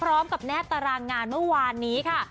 แนบตารางงานเมื่อวานนี้ค่ะ